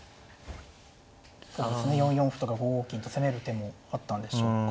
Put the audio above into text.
そうですね４四歩とか５五金と攻める手もあったんでしょうかね。